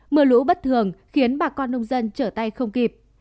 mưa lũ bất thường khiến bà con nông dân trở tay không kịp